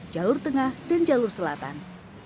jalur tengah dan jalur selatan